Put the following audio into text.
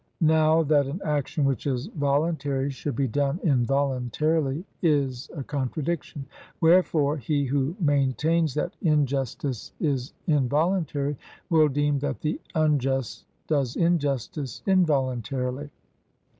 Now that an action which is voluntary should be done involuntarily is a contradiction; wherefore he who maintains that injustice is involuntary will deem that the unjust does injustice involuntarily.